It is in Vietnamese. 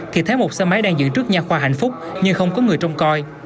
thì thấy một xe máy đang giữ trước nhà khoa hạnh phúc nhưng không có người trông coi